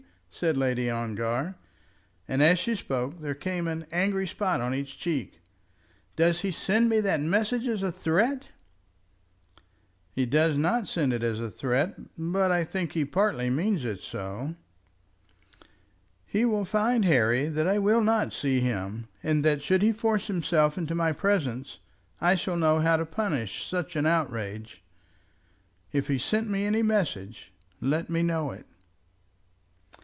said Lady Ongar, and as she spoke there came an angry spot on each cheek. "Does he send me that message as a threat?" "He does not send it as a threat, but I think he partly means it so." "He will find, Harry, that I will not see him; and that should he force himself into my presence, I shall know how to punish such an outrage. If he sent me any message, let me know it."